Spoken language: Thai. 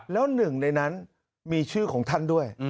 แล้วหนึ่งในนั้นมีชื่อของท่านด้วย